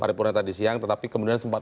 paripurna tadi siang tetapi kemudian sempat